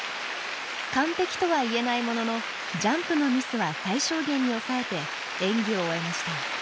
完璧とは言えないもののジャンプのミスは最小限に抑えて演技を終えました。